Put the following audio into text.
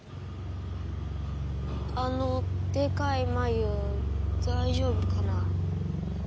あのでかい繭大丈夫かな？